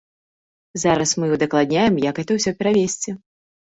Зараз мы ўдакладняем, як гэта ўсё перавезці.